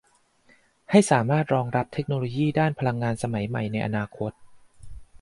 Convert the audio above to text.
ให้สามารถรองรับเทคโนโลยีด้านพลังงานสมัยใหม่ในอนาคต